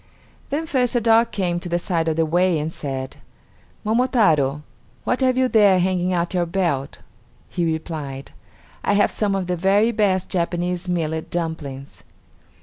Then first a dog came to the side of the way and said, "Momotaro! What have you there hanging at your belt?" He replied, "I have some of the very best Japanese millet dumplings."